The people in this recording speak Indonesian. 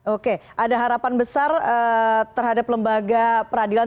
oke ada harapan besar terhadap lembaga peradilan